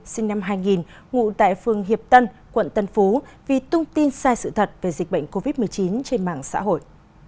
sinh năm hai nghìn ngụ tại phường hiệp tân quận tân phú vì thông tin sai sự thật về dịch bệnh covid một mươi chín trên mạng xã hội